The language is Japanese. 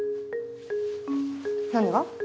何が？